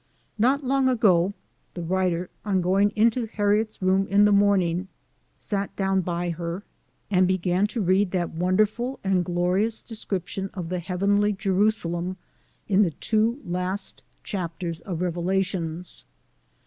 Not long since, the writer, on going into Harriet's room in the morning, sat down by her and began to read that wonderful and glorious description of the heavenly Jerusalem in the two last chapters of Revelations.